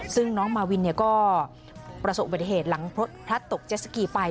ซึ่งน้องมาวินเนี่ยก็ประสบประเทศหลังพระตุกเจสสกีไป